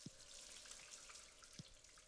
دواړه جسمونه یو پر بل وسولول شي دواړه چارج اخلي.